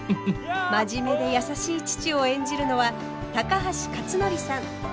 真面目で優しい父を演じるのは高橋克典さん。